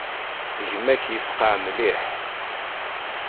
Gma-k yefqeɛ mliḥ.